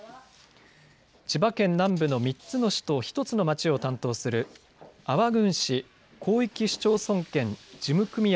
千葉県南部の３つの市と１つの町を担当する安房郡市広域市町村圏事務組合